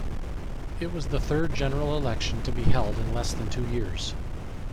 It was the third general election to be held in less than two years.